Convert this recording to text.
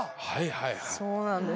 そうなんです。